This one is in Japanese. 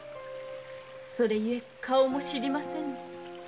それ故顔も知りませぬ。